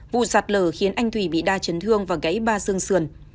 vụ sạt lở khiến anh thủy bị đa chấn thương và gãy ba xương sườn